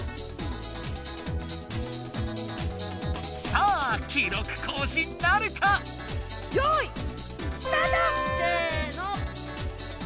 さあ記録更新なるか⁉用意せの！